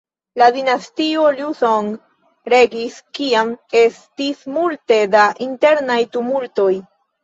La dinastio Liu Song regis kiam estis multe da internaj tumultoj.